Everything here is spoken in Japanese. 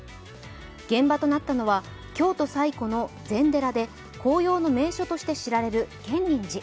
現場となったのは京都最古の禅寺で紅葉の名所として知られる建仁寺。